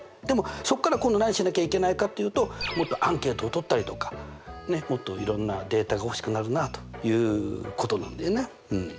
でもそこから今度何をしなきゃいけないかというともっとアンケートを取ったりとかもっといろんなデータが欲しくなるなということなんだよね。